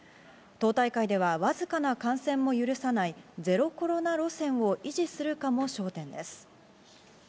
党大会ではわずかな感染も許さないゼロコロナ路線を維持するかも焦点です。